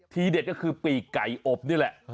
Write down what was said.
เด็ดก็คือปีกไก่อบนี่แหละ